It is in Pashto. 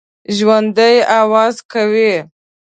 ژوندي آواز کوي